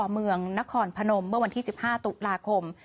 เมื่อวันที่๑๕ตุลาคม